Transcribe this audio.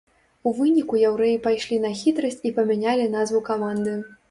У выніку яўрэі пайшлі на хітрасць і памянялі назву каманды.